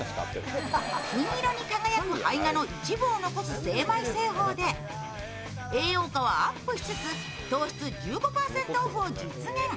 金色に輝く胚芽の一部を残す精米製法で栄養価はアップしつつ糖質１５％オフを実現。